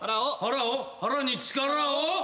腹に力を？